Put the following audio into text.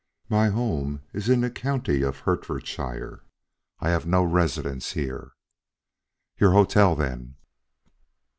My home is in the county of Hertfordshire. I have no residence here." "Your hotel, then?"